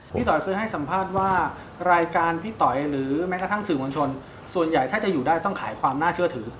ต่อยเคยให้สัมภาษณ์ว่ารายการพี่ต่อยหรือแม้กระทั่งสื่อมวลชนส่วนใหญ่ถ้าจะอยู่ได้ต้องขายความน่าเชื่อถือ